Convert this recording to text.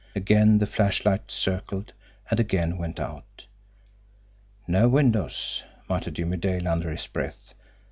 Again the flashlight circled, and again went out. "No windows!" muttered Jimmie Dale under his breath.